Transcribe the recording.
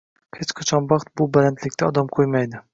Hech qachon baxt bu balandlikda odam qo'ymadi.